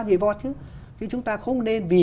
gì vọt chứ chứ chúng ta không nên vì